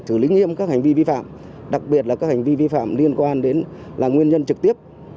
xử lý nghiêm các hành vi vi phạm đặc biệt là các hành vi vi phạm liên quan đến là nguyên nhân trực tiếp